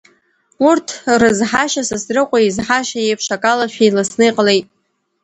Урҭ рызҳашьа Сасрыҟәа изҳашьа еиԥш, акалашәа иласны иҟалеит.